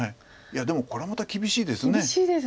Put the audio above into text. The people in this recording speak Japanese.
いやでもこれまた厳しいです。